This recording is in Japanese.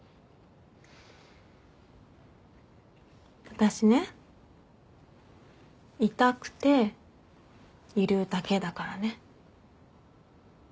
私ねいたくているだけだからね。